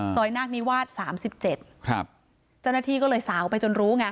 ซอยนาคมีวาด๓๗เจ้าหน้าที่ก็เลยสาวไปจนรู้